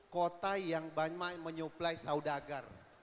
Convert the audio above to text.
kota yang banyak menyuplai saudagar